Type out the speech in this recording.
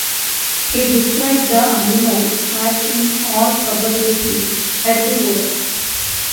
He described the animal as in all probability, herbivorous.